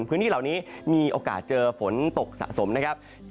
พื้นที่เหล่านี้มีโอกาสเจอฝนตกสะสมนะครับ